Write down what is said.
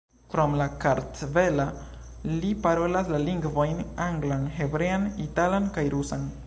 Krom la kartvela, li parolas la lingvojn anglan, hebrean, italan kaj rusan.